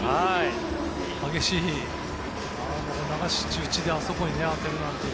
激しい、流し打ちであそこに当てるなんて。